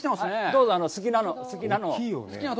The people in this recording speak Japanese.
どうぞ、好きなのを。